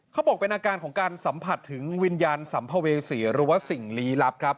เขาบอกเป็นอาการของการสัมผัสถึงวิญญาณสัมภเวษีหรือว่าสิ่งลี้ลับครับ